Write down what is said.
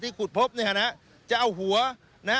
ที่ขุดพบเนี้ยฮะนะฮะจะเอาหัวนะฮะ